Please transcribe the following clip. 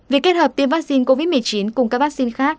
vì kết hợp tiêm vaccine covid một mươi chín cùng các vaccine khác